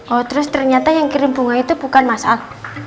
oh terus ternyata yang kirim bunga itu bukan masalah